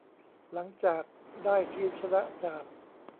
หลังจากได้ทีมชนะจาก